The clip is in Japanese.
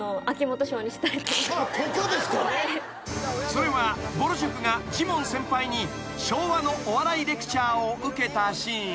［それはぼる塾がジモン先輩に昭和のお笑いレクチャーを受けたシーン］